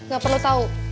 gak perlu tau